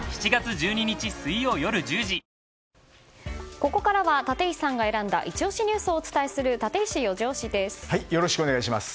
ここからは立石さんが選んだイチ推しニュースをお伝えするよろしくお願いします。